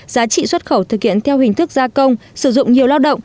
giá trị xuất khẩu thực hiện theo hình thức gia công sử dụng nhiều lao động